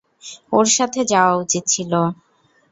ওর সাথে যাওয়া উচিৎ ছিল।